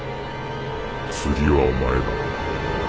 「次はお前だ」